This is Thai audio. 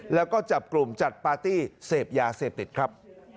แล้วก็จับกลุ่มจัดปาร์ตี้เสพยาเสพติดครับ